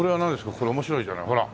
これ面白いじゃないほら